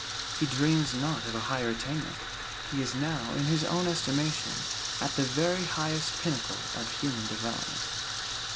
He dreams not of a higher attainment. He is now, in his own estimation, at the very highest pinnacle of human development.